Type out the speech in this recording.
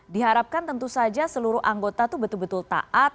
diharapkan tentu saja seluruh anggota itu betul betul taat